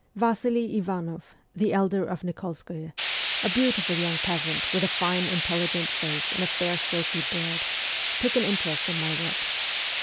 Vasily Ivanoff, the elder of Nikolskoye, a beautiful young peasant with a fine intelligent face and a silky fair beard, took an interest in my work.